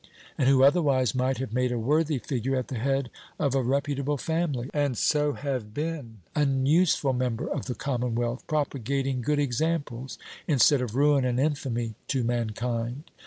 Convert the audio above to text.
and who otherwise might have made a worthy figure at the head of a reputable family, and so have been an useful member of the commonwealth, propagating good examples, instead of ruin and infamy, to mankind?